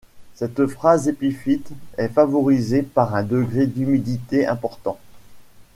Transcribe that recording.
Cette phase épiphyte est favorisée par un degré d’humidité important.